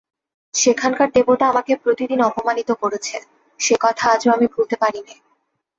সেখানকার দেবতা আমাকে প্রতিদিন অপমানিত করেছে সে কথা আজও আমি ভুলতে পারি নে।